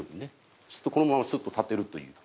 そうするとこのままスッと立てるという。